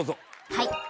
はい。